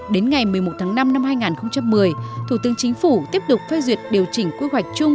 đến ngày một mươi một tháng năm năm hai nghìn một mươi thủ tướng chính phủ tiếp tục phê duyệt điều chỉnh quy hoạch chung